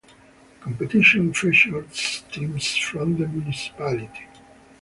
The competition features teams from the municipality.